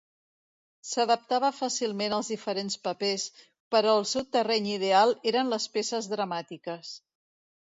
S'adaptava fàcilment als diferents papers, però el seu terreny ideal eren les peces dramàtiques.